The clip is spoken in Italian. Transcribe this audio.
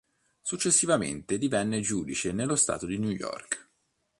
Successivamente divenne giudice nello Stato di New York.